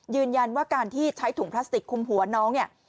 ยืนยันว่าการที่ใช้ถุงพลาสติกคุมหัวน้องเนี่ย